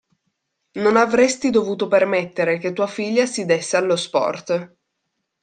Non avresti dovuto permettere che tua figlia si desse allo sport.